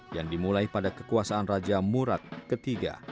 yang dimulai pada kekuasaan raja murad ketiga